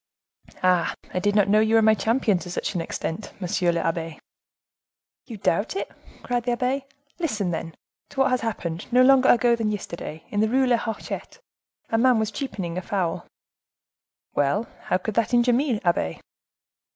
"Ah! I did not know you were my champion to such an extent, monsieur le abbe." "You doubt it!" cried the abbe. "Listen, then, to what happened, no longer ago than yesterday, in the Rue de la Hochette. A man was cheapening a fowl." "Well, how could that injure me, abbe?"